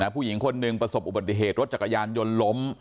ผู้หญิงคนหนึ่งประสบอุบัติเหตุรถจักรยานยนต์ล้ม